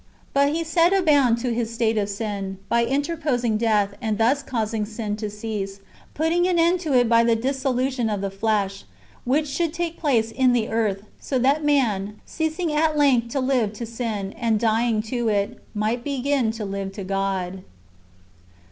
But He set a bound to his [state of] sin, by interposing death, and thus causing sin to cease,^ putting an end to it by the dis solution of the flesh, v^^hich should take place in the earth, so that man, ceasing at length to live to sin, and dying to it, might begin to live to God.